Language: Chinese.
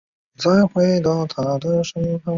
曾在南宋咸淳年间任隆兴知府。